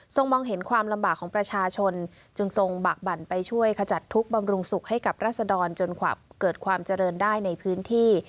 มองเห็นความลำบากของประชาชนจึงทรงบากบั่นไปช่วยขจัดทุกข์บำรุงสุขให้กับราศดรจนเกิดความเจริญได้ในพื้นที่